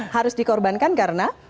harus dikorbankan karena